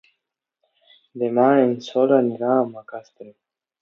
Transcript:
Demà en Sol anirà a Macastre.